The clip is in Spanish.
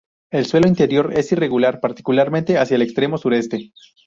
El suelo interior es irregular, particularmente hacia el extremo sureste.